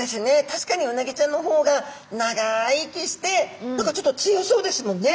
確かにウナギちゃんの方が長生きして何かちょっと強そうですもんね。